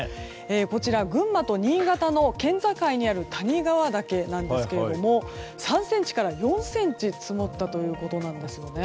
こちらは群馬と新潟の県境にある谷川岳なんですが３ｃｍから４ｃｍ積もったということなんです。